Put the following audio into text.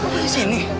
kamu di sini